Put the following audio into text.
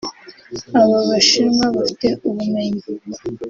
aba Bashinwa bafite ubumenyi